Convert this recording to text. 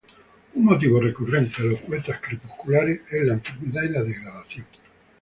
Un motivo recurrente de los poetas crepusculares es la enfermedad y la degradación.